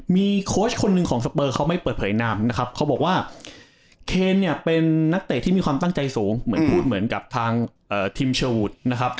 มีโค้ชคนหนึ่งของสเปอร์เขาไม่เปิดเผยนามนะครับเขาบอกว่าเคนเนี่ยเป็นนักเตะที่มีความตั้งใจสูงเหมือนพูดเหมือนกับทางทีมเชอร์วูดนะครับ